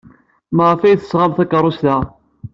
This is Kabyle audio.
Maɣef ay d-tesɣam takeṛṛust-a?